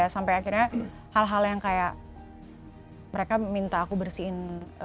sampai akhirnya hal hal yang kayak mereka minta aku bersihin